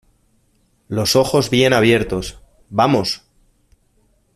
los ojos bien abiertos, ¡ vamos!